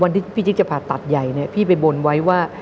วันที่พี่จิ๊กจะผ่าตัดใหญ่พี่ไปบนไว้ว่า